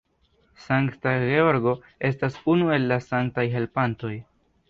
Sankta Georgo estas unu el la sanktaj helpantoj.